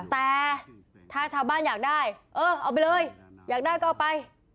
แต่ถ้าชาวบ้านอยากได้เออเอาไปเลยอยากได้ก็เอาไป